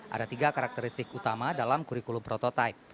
ada tiga karakteristik utama dalam kurikulum prototipe